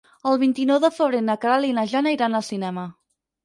El vint-i-nou de febrer na Queralt i na Jana iran al cinema.